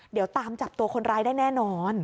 เดี๋ยวตามจับตัวคนร้ายได้แน่นอน